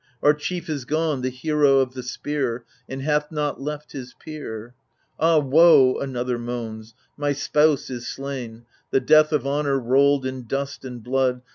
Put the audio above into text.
Our chief is gone^ the hero of the spear^ And hath not left his peer I Ah woe / another moans — my spouse is slain, The death of honour y rolled in dust and blood.